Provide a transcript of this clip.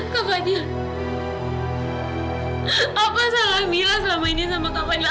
kak fadil apa salah mila selama ini sama kak fadil